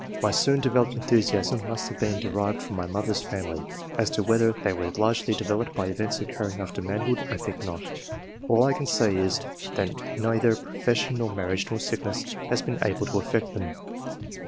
My soon developed enthusiasm must have been de rived from my mother's family. As to whether they were largely developed by events occurring after manhood, I think not. All I can say is, that neither profession nor marriage nor sickness has been able to affect them.'